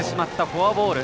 フォアボール。